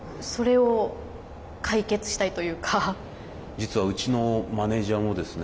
実はうちのマネージャーもですね